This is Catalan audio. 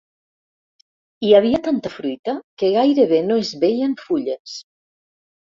Hi havia tanta fruita que gairebé no es veien fulles.